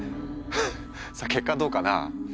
フッさあ結果はどうかな？